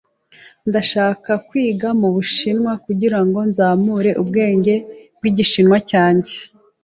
Ndashaka kwiga mubushinwa kugirango nzamure urwego rwigishinwa cyanjye.